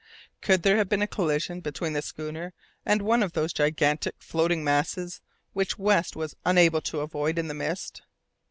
Could there have been a collision between the schooner and one of those gigantic floating masses which West was unable to avoid in the mist?